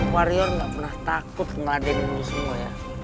warrior ga pernah takut ngeladenin lu semua ya